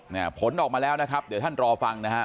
เนี่ยผลออกมาแล้วนะครับเดี๋ยวท่านรอฟังนะครับ